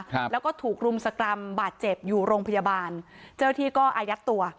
ครับแล้วก็ถูกรุมสกรรมบาดเจ็บอยู่โรงพยาบาลเจ้าที่ก็อายัดตัว